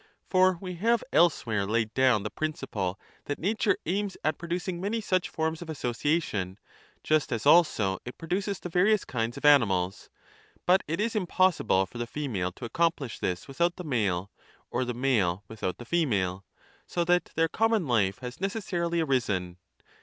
For we have else 10 where l laid down the principle that nature aims at producing many such forms of association, just as also it produces the various kinds of animals. But it is impossible for the female to accomplish this without the male or the male without the female, so that their cpmrnon life has necessarily arisen.